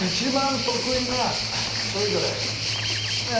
それぞれ。